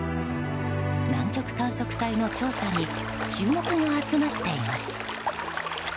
南極観測隊の調査に注目が集まっています。